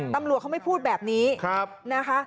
ตำรวจเขาไม่พูดแบบนี้นะคะ